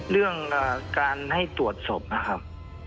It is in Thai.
เรื่องการให้ตรวจศพนะครับ